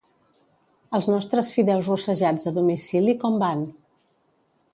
Els nostres fideus rossejats a domicili com van?